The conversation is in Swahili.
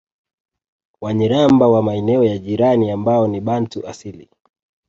Wanyiramba wa maeneo ya jirani ambao ni Bantu asili